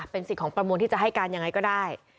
สิทธิ์ของประมวลที่จะให้การยังไงก็ได้